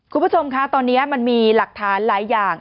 คุณผู้ชมคะตอนนี้มันมีหลักฐานหลายอย่าง